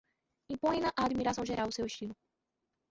Impõem-na à admiração geral o seu Estilo.